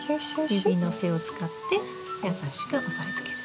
指の背を使って優しく押さえつける。